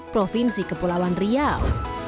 provinsi kepulauan riau